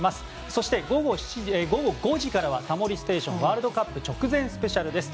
そして、午後５時からは「タモリステーション」ワールドカップ直前スペシャルです。